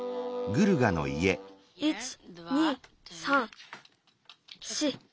１２３４。